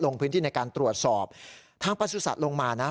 ลงพื้นที่ในการตรวจสอบทางประสุทธิ์ลงมานะ